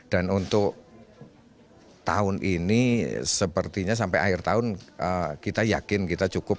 dan untuk tahun ini sepertinya sampai akhir tahun kita yakin kita cukup